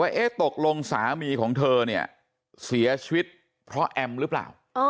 เอ๊ะตกลงสามีของเธอเนี่ยเสียชีวิตเพราะแอมหรือเปล่า